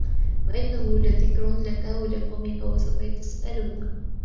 وَإِنَّهُ لَذِكرٌ لَكَ وَلِقَومِكَ وَسَوفَ تُسأَلونَ